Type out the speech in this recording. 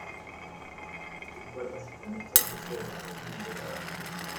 Sus cuerdas están hechas de seda o crin de caballo.